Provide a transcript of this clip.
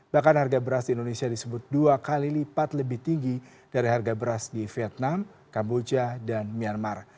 bahkan harga beras di indonesia disebut dua kali lipat lebih tinggi dari harga beras di vietnam kamboja dan myanmar